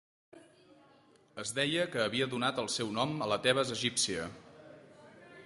Es deia que havia donat el seu nom a la Tebes egípcia.